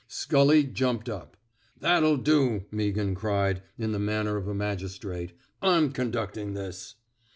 Scully jumped up. " That'll do," Mea ghan cried, in the manner of a magistrate, ^a'mconductin'this."